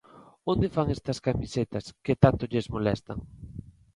¿Onde fan estas camisetas, que tanto lles molestan?